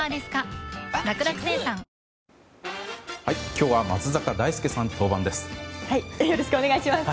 今日は松坂大輔さんの登板です。